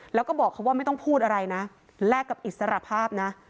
แล้วก็บอกเขาว่าไม่ต้องพูดอะไรนะแลกกับอิสรภาพนะ